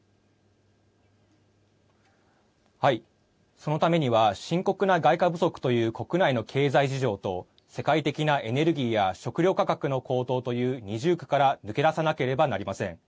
そのためには深刻な外貨不足という国内の経済事情と世界的なエネルギーや食料価格の高騰という二重苦から抜け出さなければなりません。